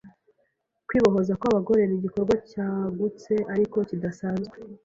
Kwibohoza kwabagore nigikorwa cyagutse ariko kidasanzwe.